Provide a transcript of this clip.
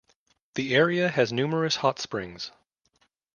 The area has numerous hot springs.